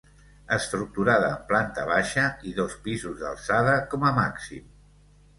Estructurada en planta baixa i dos pisos d'alçada com a màxim.